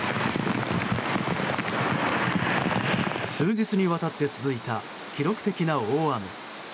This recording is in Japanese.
数日にわたって続いた記録的な大雨。